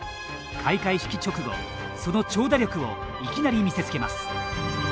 開会式直後、その長打力をいきなり見せつけます。